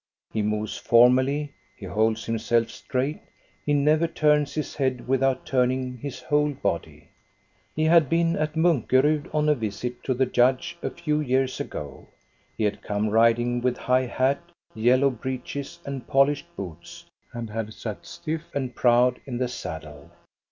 He moves formally, he holds himself straight, he never turns his head without turning his whole body. He had been at Munkerud on a visit to the judge a few years ago. 'He had come riding with high hat, yellow breeches, and polished boots, and had sat stiff and proud in the saddle.